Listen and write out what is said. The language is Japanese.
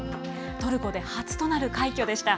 トルコで初となる快挙でした。